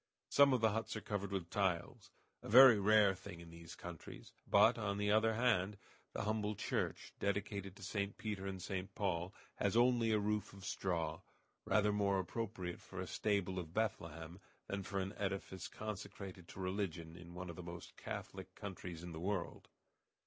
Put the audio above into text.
Some of the huts are covered with tiles a very rare thing in these countries; but, on the other hand, the humble church, dedicated to St. Peter and St. Paul, has only a roof of straw, rather more appropriate for a stable of Bethlehem than for an edifice consecrated to religion in one of the most Catholic countries of the world.